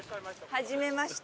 はじめまして。